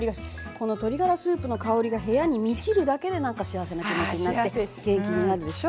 この鶏ガラスープの香りが部屋に満ちるだけで何か幸せな気持ちになって元気になるでしょ？